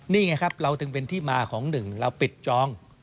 นี่ไงครับเราจึงเป็นที่มาของหนึ่งเราปิดจอง